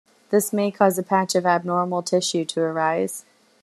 This may cause a patch of abnormal tissue to arise.